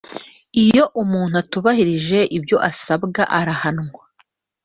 iyo umuntu atubahirije ibyo asabwa arahanwa